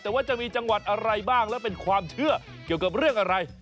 แต่ว่าจะมีจังหวัดอะไรบ้างแล้วเป็นความเชื่อเกี่ยวกับเรื่องอะไร